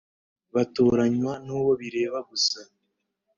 batoranywa n uwo bireba gusa